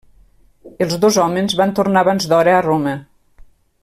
Els dos homes van tornar abans d'hora a Roma.